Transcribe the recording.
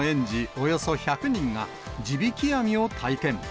およそ１００人が、地引き網を体験。